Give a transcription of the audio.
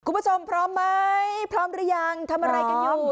คุณผู้ชมพร้อมไหมพร้อมหรือยังทำอะไรกันอยู่